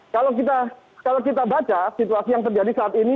kalau kita baca situasi yang terjadi saat ini